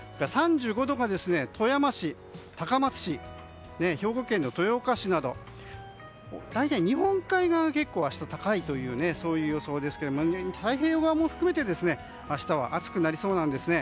３５度が富山市、高松市兵庫県の豊岡市など大体、日本海側が結構明日は高い予想ですが太平洋側も含めて明日は暑くなりそうなんですね。